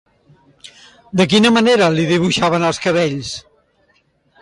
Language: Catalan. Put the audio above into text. De quina manera li dibuixaven els cabells?